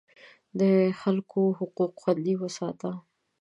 د خلکو حقوق خوندي وساته.